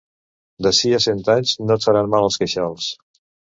D'ací a cent anys no et faran mal els queixals.